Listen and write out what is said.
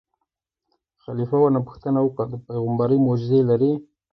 خلیفه ورنه پوښتنه وکړه: د پېغمبرۍ معجزه لرې.